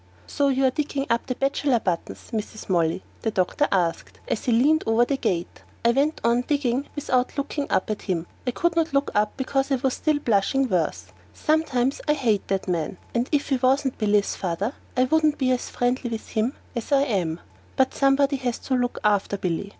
"So you're digging up the bachelor buttons, Mrs. Molly?" the doctor asked as he leaned over the gate. I went on digging without looking up at him. I couldn't look up because I was blushing still worse. Sometimes I hate that man, and if he wasn't Billy's father I wouldn't be as friendly with him as I am. But somebody has to look after Billy.